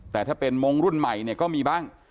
แต่ถ้าเป็นมงค์รุ่นใหม่เนี่ยก็มีบ้าง